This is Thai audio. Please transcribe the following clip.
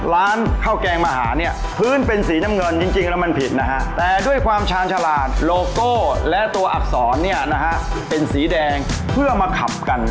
ร้านข้าวแกงมหาเนี่ยพื้นเป็นสีน้ำเงินจริงแล้วมันผิดนะฮะแต่ด้วยความชาญฉลาดโลโก้และตัวอักษรเนี่ยนะฮะเป็นสีแดงเพื่อมาขับกัน